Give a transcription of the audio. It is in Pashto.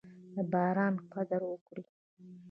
د باران قدر وکړئ.